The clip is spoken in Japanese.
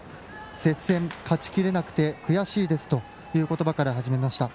接戦、勝ちきれなくて悔しいですという言葉から始めました。